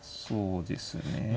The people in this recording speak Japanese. そうですね。